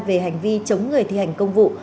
về hành vi chống người thi hành công vụ